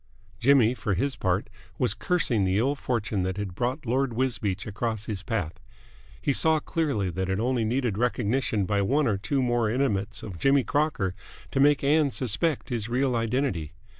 Jimmy, for his part, was cursing the ill fortune that had brought Lord Wisbeach across his path. He saw clearly that it only needed recognition by one or two more intimates of Jimmy Crocker to make Ann suspect his real identity.